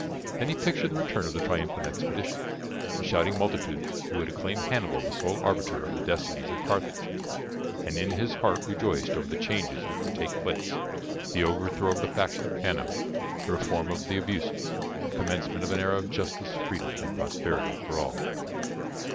Then he pictured the return of the triumphant expedition, the shouting multitudes who would acclaim Hannibal the sole arbitrator of the destinies of Carthage, and in his heart rejoiced over the changes which would take place the overthrow of the faction of Hanno, the reform of abuses, the commencement of an era of justice, freedom, and prosperity for all.